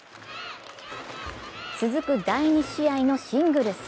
続く第２試合のシングルス。